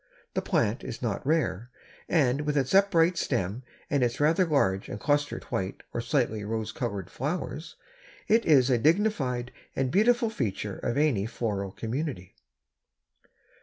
This plant is not rare, and with its upright stem and its rather large and clustered white or slightly rose colored flowers it is a dignified and beautiful feature of any floral community.